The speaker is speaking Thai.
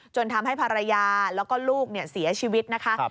ทำให้ภรรยาแล้วก็ลูกเสียชีวิตนะคะ